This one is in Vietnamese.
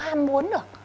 không có ham muốn được